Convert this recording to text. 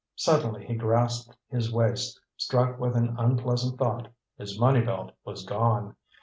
Suddenly he grasped his waist, struck with an unpleasant thought; his money belt was gone!